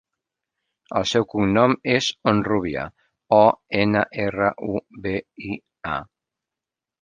El seu cognom és Onrubia: o, ena, erra, u, be, i, a.